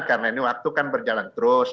karena ini waktu kan berjalan terus